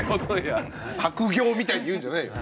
悪行みたいに言うんじゃないよ。